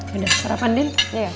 yaudah sarapan din